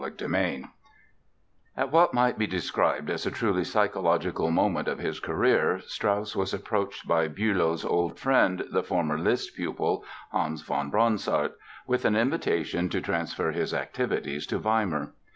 At what might be described as a truly psychological moment of his career Strauss was approached by Bülow's old friend, the former Liszt pupil, Hans von Bronsart, with an invitation to transfer his activities to Weimar.